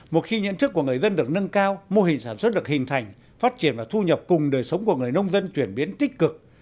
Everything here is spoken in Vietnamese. một khi nhận thức của người dân được nâng cao mô hình sản xuất được hình thành phát triển và thu nhập cùng đời sống của người nông dân chuyển biến tích cực